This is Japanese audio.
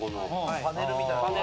・パネルみたいな。